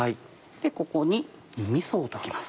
ここにみそを溶きます。